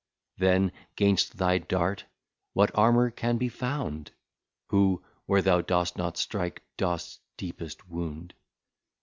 Then 'gainst thy Dart what Armour can be found, Who, where thou do'st not strike, do'st deepest wound?